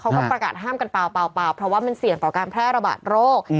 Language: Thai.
เขาก็ประกาศห้ามกันเปล่าเพราะว่ามันเสี่ยงต่อการแพร่ระบาดโรค